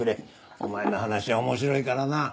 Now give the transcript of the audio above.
お前の話は面白いからな。